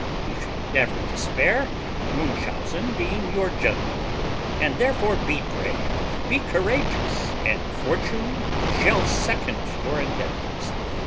You should never despair, Munchausen being your general; and therefore be brave, be courageous, and fortune shall second your endeavours.